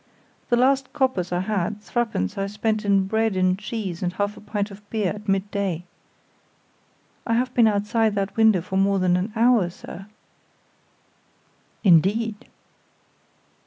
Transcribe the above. "The last coppers, I had, three pence, I spent in bread and cheese and half a pint of beer at midday. I have been outside that window for more than an hour, sir." "Indeed!"